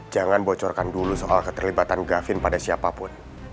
jangan bocorkan dulu soal keterlibatan gavin pada siapapun